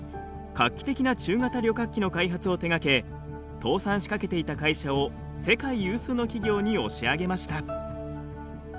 画期的な中型旅客機の開発を手がけ倒産しかけていた会社を世界有数の企業に押し上げました。